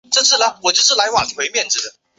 镰叶肾蕨为骨碎补科肾蕨属下的一个种。